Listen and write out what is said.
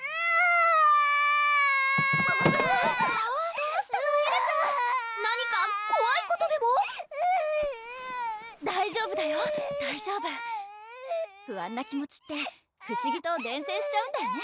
どうしたの⁉エルちゃん何かこわいことでも大丈夫だよ大丈夫不安な気持ちって不思議と伝染しちゃうんだよね